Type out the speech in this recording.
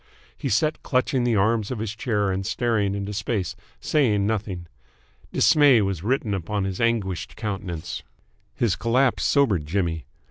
He sat clutching the arms of his chair and staring into space, saying nothing. Dismay was written upon his anguished countenance. His collapse sobered Jimmy.